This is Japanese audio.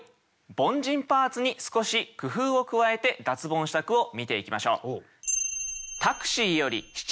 凡人パーツに少し工夫を加えて脱ボンした句を見ていきましょう。